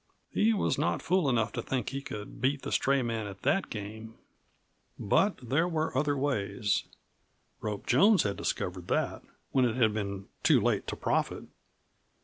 He was not fool enough to think that he could beat the stray man at that game. But there were other ways. Rope Jones had discovered that when it had been too late to profit.